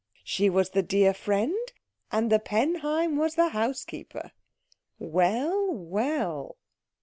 She was the dear friend, and the Penheim was the housekeeper. Well, well.